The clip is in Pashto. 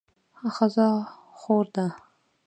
ښځه خور ده